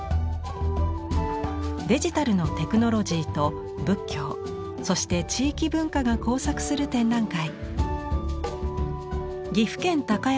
デジタルのテクノロジーと仏教そして地域文化が交錯する展覧会。